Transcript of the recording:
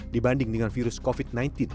dibanding dengan virus covid sembilan belas